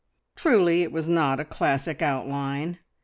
Truly it was not a classic outline!